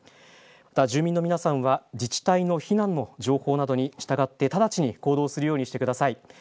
また住民の皆さんは自治体の避難の情報などに従って直ちに行動するようにしてください。